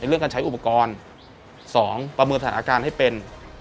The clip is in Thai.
เรื่องการใช้อุปกรณ์๒ประเมินสถานการณ์ให้เป็น